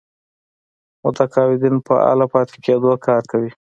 متقاعدين فعاله پاتې کېدو کار کوي.